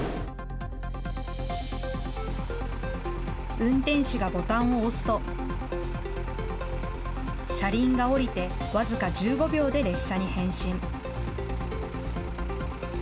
運転士がボタンを押すと、車輪が下りて、僅か１５秒で列車に変身。